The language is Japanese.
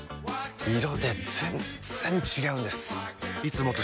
色で全然違うんです！